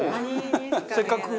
せっかく。